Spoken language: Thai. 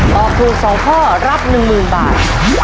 ตอบถูก๒ข้อรับ๑๐๐๐บาท